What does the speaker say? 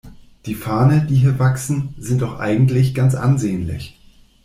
Die Farne, die hier wachsen, sind doch eigentlich ganz ansehnlich.